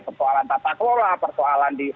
persoalan tata kelola persoalan